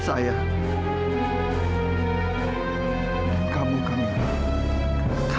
ayah kandung kamu mila